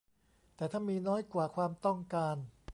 แต่ถ้ามีน้อยกว่าความต้องการ